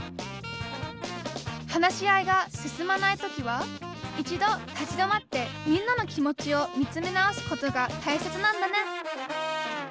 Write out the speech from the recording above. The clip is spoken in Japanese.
話し合いが進まない時は一度立ち止まってみんなの気持ちを見つめ直すことがたいせつなんだね。